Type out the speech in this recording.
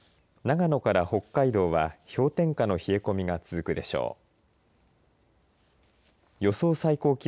長野から北海道は氷点下の冷え込みが続くでしょう。